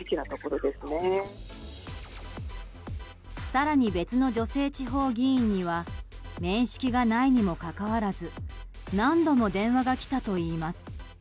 更に別の女性地方議員には面識がないにもかかわらず何度も電話が来たといいます。